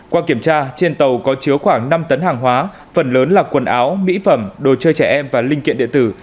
qua kiểm tra trên tàu có chứa khoảng năm tấn hàng hóa phần lớn là quần áo mỹ phẩm đồ chơi trẻ em và linh kiện điện tử